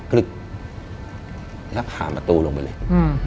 กรึกแล้วผ่านประตูลงไปเลย